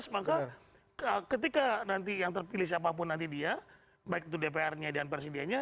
maka ketika nanti yang terpilih siapapun nanti dia baik itu dpr nya dan presidennya